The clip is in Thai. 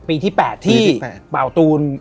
ปีที่๘ที่เบาตูน